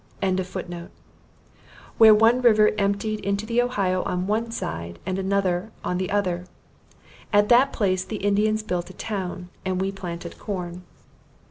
] where one river emptied into the Ohio on one side, and another on the other. At that place the Indians built a town, and we planted corn.